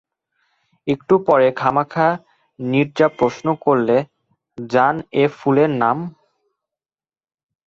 একটু পরে খামখা নীরজা প্রশ্ন করলে, জান এ ফুলের নাম?